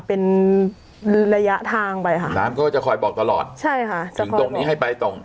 เป็นระยะทางไปค่ะน้ำก็จะคอยบอกตลอดใช่ค่ะถึงตรงนี้ให้ไปตรง